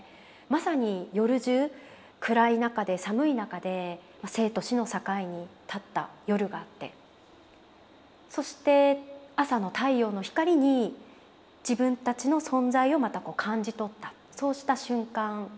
まさに夜じゅう暗い中で寒い中で生と死の境に立った夜があってそして朝の太陽の光に自分たちの存在をまた感じ取ったそうした瞬間でしたね。